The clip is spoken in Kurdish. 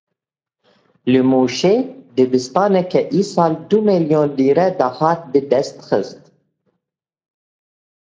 Li Mûşê dibistanekê îsal du milyon lîre dahat bi dest xist.